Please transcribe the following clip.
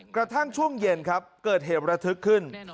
กระทั่งช่วงเย็นครับเกิดเหตุระทึกขึ้น